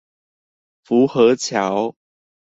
福和橋